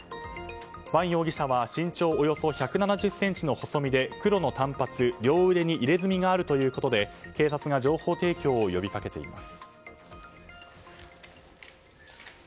バン容疑者は身長およそ１７０ｃｍの細身で黒の短髪両腕に入れ墨があるということで警察が情報提供を呼びかけています。